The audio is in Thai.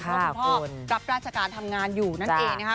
เพราะคุณพ่อรับราชการทำงานอยู่นั่นเองนะครับ